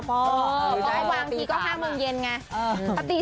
พอวางทีก็๕๐๐๐๐เยนไง